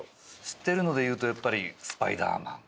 知ってるので言うとやっぱりスパイダーマン。